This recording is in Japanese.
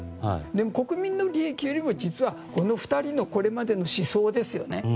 でも国民の利益よりも実はこの２人のこれまでの思想ですよね。